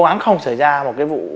cố gắng không xảy ra một cái vụ